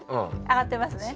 上がってますね。